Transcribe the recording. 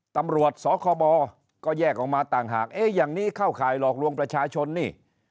ตำรวจสคบก็แยกออกมาต่างหากเอ๊ะอย่างนี้เข้าข่ายหลอกลวงประชาชนนี่